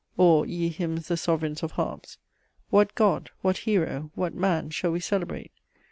(or) ye hymns the sovereigns of harps! What God? what Hero? What Man shall we celebrate?